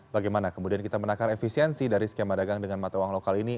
bagaimana kemudian kita menakar efisiensi dari skema dagang dengan mata uang lokal ini